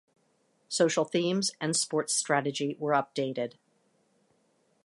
Social themes and sports strategy were updated.